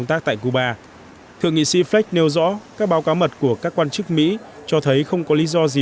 thượng nghị sĩ fleck nêu rõ các báo cáo mật của các quan chức mỹ cho thấy không có lý do gì